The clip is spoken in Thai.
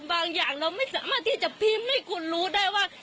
อย่างเราไม่สามารถที่จะพิมพ์ให้คุณรู้ได้ว่า